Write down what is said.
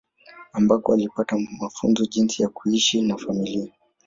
Ambako walipata mafunzo jinsi ya kuishi na familia